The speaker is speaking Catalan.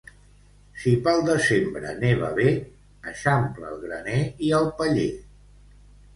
Si pel desembre neva bé, eixampla el graner i el paller.